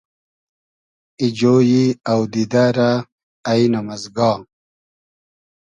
ای جۉیی اۆدیدۂ رۂ اݷنئم از گا